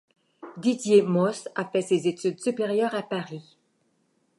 Didier Maus a fait ses études supérieures à Paris.